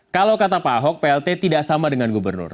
kalau kata pak ahok plt tidak sama dengan gubernur